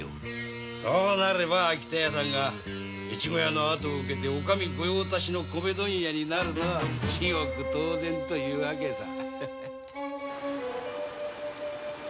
そうなれば秋田屋さんが越後屋の後を受けてお上御用達の米問屋になるのは至極当然という訳さ。